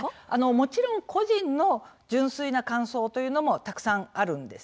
もちろん個人の純粋な感想というのもたくさんあるんですね。